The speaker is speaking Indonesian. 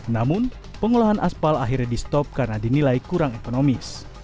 namun pengolahan aspal akhirnya di stop karena dinilai kurang ekonomis